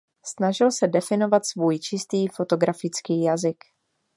Snažil se definovat svůj čistý fotografický jazyk.